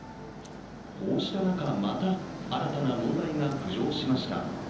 こうした中、また、新たな問題が浮上しました。